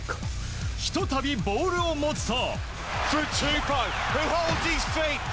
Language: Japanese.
ひとたびボールを持つと。